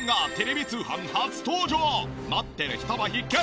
持ってる人も必見！